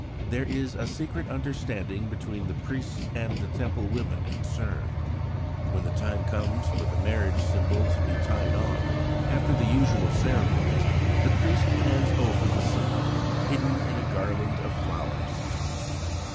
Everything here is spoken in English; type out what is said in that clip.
There is a secret understanding between the priests and the Temple women concerned. When the time arrives for the marriage symbol to be tied on, after the usual ceremonies the priest hands over the symbol hidden in a garland of flowers.